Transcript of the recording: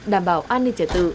đảm bảo an ninh trẻ tự